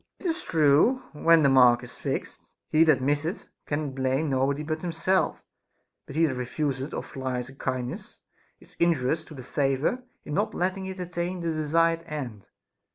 It is true, when the mark is fixed, he that misseth can blame nobody but himself; but he that refuseth or flies a kindness is injurious to the favor in not letting it attain the desired end.